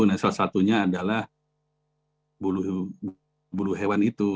nah salah satunya adalah bulu hewan itu